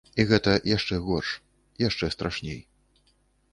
А гэта яшчэ горш, яшчэ страшней.